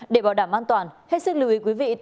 để bảo đảm an toàn hết sức lưu ý quý vị